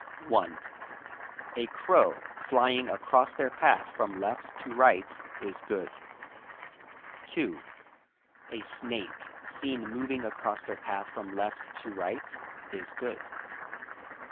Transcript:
7 1. A crow flying across their path from left to right is good. 2. A snake seen moving across their path from left to right is good.